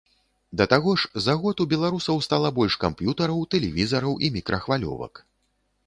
Да таго ж, за год у беларусаў стала больш камп'ютараў, тэлевізараў і мікрахвалёвак.